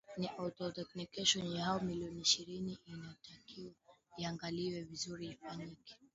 ni authentication ya hao milioni ishirini nayo inatakiwa iangaliwe vizuri ifanyike